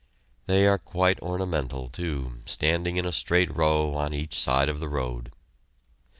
They are quite ornamental, too, standing in a straight row on each side of the road.